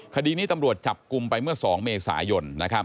คดีนี้ตำรวจจับกลุ่มไปเมื่อ๒เมษายน